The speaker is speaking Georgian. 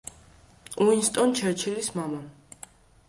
უინსტონ ჩერჩილის მამა.